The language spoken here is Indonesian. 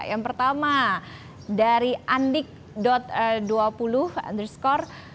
yang pertama dari andik dua puluh underscore